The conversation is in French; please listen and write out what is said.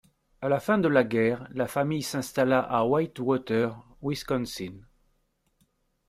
À la fin de la guerre, la famille s'installa à Whitewater, Wisconsin.